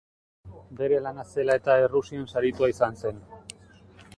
Bere lana zela eta Errusian saritua izan zen.